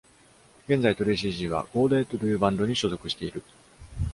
現在、トレイシー・ G は Goad-ed というバンドに所属している。